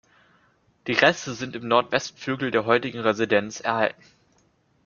Die Reste sind im Nordwestflügel der heutigen Residenz erhalten.